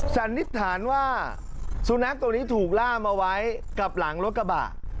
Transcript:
สันนิษฐานว่าสุนัขตัวนี้ถูกล่ามาไว้กับหลังรถกระบะ